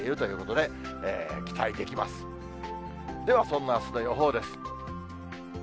では、そんなあすの予報です。